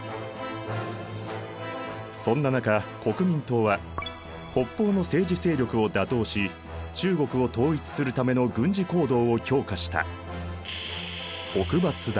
そんな中国民党は北方の政治勢力を打倒し中国を統一するための軍事行動を強化した。